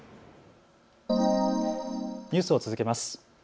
ニュースを続けます。